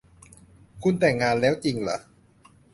คุณแต่งงานแล้วจริงหรือ